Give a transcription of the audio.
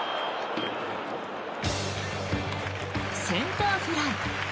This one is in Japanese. センターフライ。